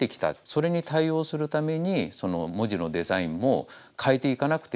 それに対応するために文字のデザインも変えていかなくてはいけない。